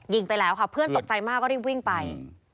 ไปแล้วค่ะเพื่อนตกใจมากก็รีบวิ่งไป